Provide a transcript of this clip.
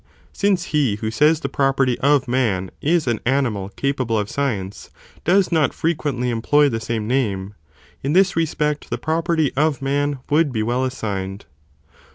since he who says, the property of man is an animal capable of science, does not frequently employ the same name, in this respect the property of man would be well assigned.